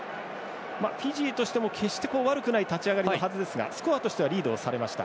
フィジーとしても決して悪くない立ち上がりのはずですがスコアとしてはリードされました。